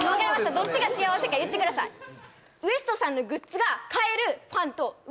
どっちが幸せか言ってくださいえ